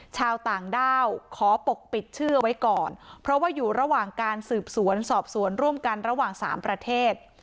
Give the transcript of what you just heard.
ชาวต่างด้าวขอปกปิดชื่อไว้ก่อนเพราะว่าอยู่ระหว่างการสืบสวนสอบสวนร่วมกันระหว่างสามประเทศ